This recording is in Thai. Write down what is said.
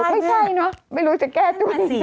ไม่ใช่เนอะไม่รู้จะแก้ตัวไหน